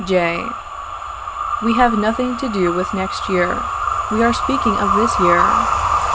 J. We have nothing to do with next year; we are speaking of this year.